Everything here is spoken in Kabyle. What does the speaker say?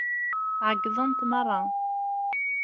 Ɛeyyḍent meṛṛa.